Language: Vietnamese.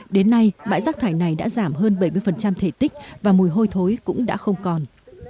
đến nay bãi rác thải này đã giảm hơn bảy mươi thể tích và mùi hôi thối cũng đã không còn